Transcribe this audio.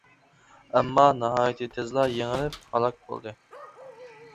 ئەمما ناھايىتى تېزلا يېڭىلىپ، ھالاك بولدى.